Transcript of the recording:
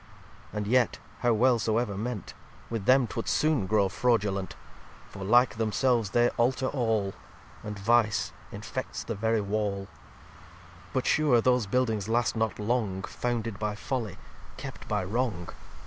And yet, how well soever ment, With them 'twould soon grow fraudulent For like themselves they alter all, And vice infects the very Wall. xxviii "But sure those Buildings last not long, Founded by Folly, kept by Wrong.